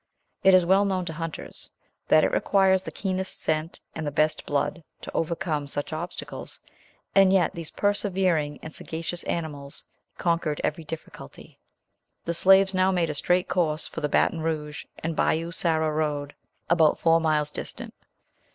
It is well known to hunters that it requires the keenest scent and best blood to overcome such obstacles, and yet these persevering and sagacious animals conquered every difficulty. The slaves now made a straight course for the Baton Rouge and Bayou Sara road, about four miles distant.